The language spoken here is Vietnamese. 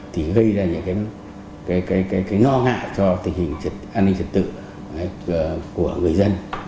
thì gây ra những cái ngò ngạ cho tình hình an ninh chất tự của người dân